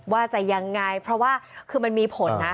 ว่าจะยังไงเพราะว่าคือมันมีผลนะ